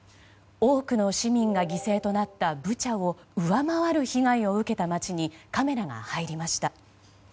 多くの市民が犠牲となったブチャを上回る被害を受けた街にカメラが入りました。